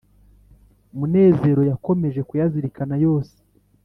munezero yakomeje kuyazirikana yose